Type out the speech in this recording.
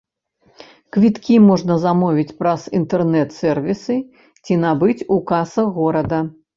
Квіткі можна замовіць праз інтэрнэт-сэрвісы ці набыць у касах горада.